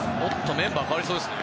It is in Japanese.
メンバー、代わりそうですね。